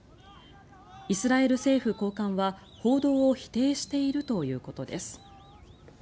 イスラエル政府高官は報道を否定しているということです。